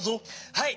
はい！